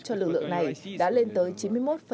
cho lực lượng này đã lên tới chín mươi một